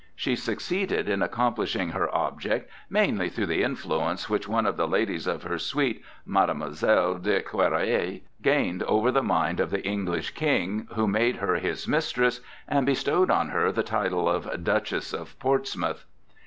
She succeeded in accomplishing her object mainly through the influence which one of the ladies of her suite, Mademoiselle de Querouet, gained over the mind of the English King, who made her his mistress and bestowed on her the title of Duchess of Portsmouth.